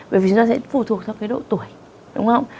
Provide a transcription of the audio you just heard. bởi vì chúng ta sẽ phụ thuộc theo độ tuổi đúng không